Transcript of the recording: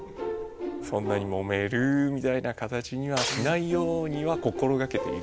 そんなにもめるみたいな形にはしないようには心がけている。